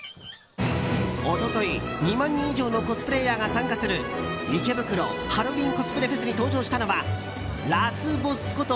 一昨日、２万人以上のコスプレーヤーが参加する池袋ハロウィンコスプレフェスに登場したのはラスボスこと